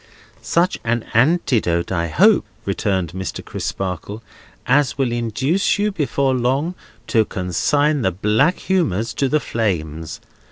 "Such an antidote, I hope," returned Mr. Crisparkle, "as will induce you before long to consign the black humours to the flames.